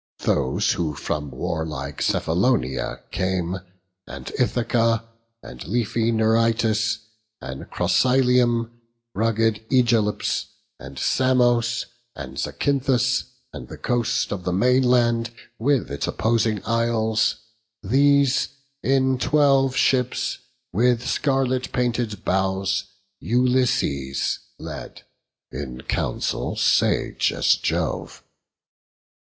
Those who from warlike Cephalonia came, And Ithaca, and leafy Neritus, And Crocyleium; rugged Ægilips, And Samos, and Zacynthus, and the coast Of the mainland with its opposing isles; These in twelve ships, with scarlet painted bows, Ulysses led, in council sage as Jove.